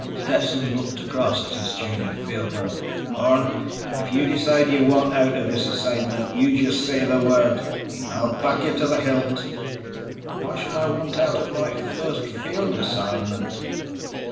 Stetson looked across at his junior field man. "Orne, if you decide you want out of this assignment, you just say the word. I'll back you to the hilt." "Why should I want out of my first field assignment?"